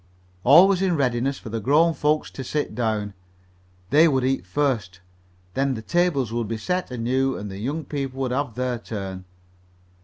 All was in readiness for the grown folks to sit down. They would eat first, then the tables would be set anew and the young people would have their turn.